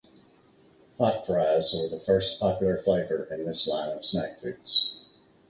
"Hot Fries" were the first popular flavor in this line of snack foods.